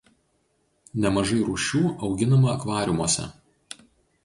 Nemažai rūšių auginama akvariumuose.